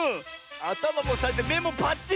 あたまもさえてめもパッチリ！